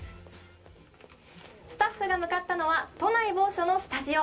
スタッフが向かったのは都内某所のスタジオ。